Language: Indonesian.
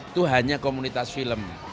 itu hanya komunitas film